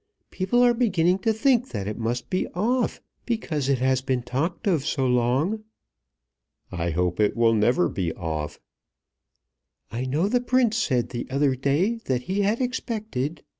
People are beginning to think that it must be off, because it has been talked of so long." "I hope it will never be off." "I know the Prince said the other day that he had expected